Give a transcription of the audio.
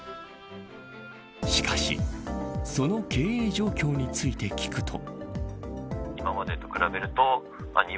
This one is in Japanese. しかしその経営状況について聞くと。